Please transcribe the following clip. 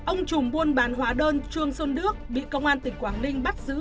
ông chùm buôn bán hóa đơn chuông sơn đước bị công an tỉnh quảng ninh bắt giữ